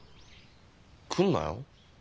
来るなよ。